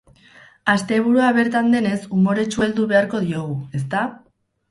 Asteburua bertan denez, umoretsu heldu beharko diogu, ezta?